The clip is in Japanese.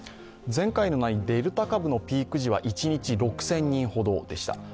前回のデルタ株のピーク時は一日６０００人ほどでした。